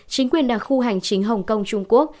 chính quyền đặc khu hành chính hồng kông trung quốc